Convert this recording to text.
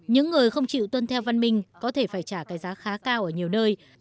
những người không chịu tuân theo văn minh có thể phải trả cái giá khá cao ở nhiều nơi